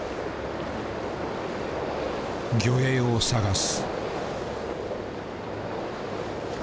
魚影を探す。